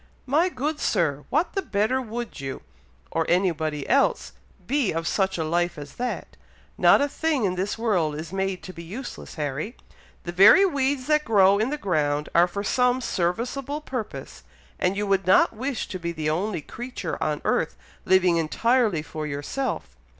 "My good Sir! what the better would you, or anybody else, be of such a life as that! Not a thing in this world is made to be useless, Harry; the very weeds that grow in the ground are for some serviceable purpose, and you would not wish to be the only creature on earth living entirely for yourself.